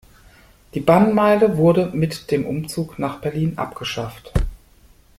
Die Bannmeile wurde mit dem Umzug nach Berlin abgeschafft.